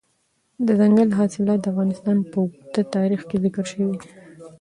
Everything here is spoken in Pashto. دځنګل حاصلات د افغانستان په اوږده تاریخ کې ذکر شوي دي.